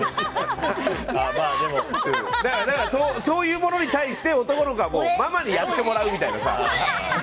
そういうものに対して、男の子はママにやってもらうみたいなさ。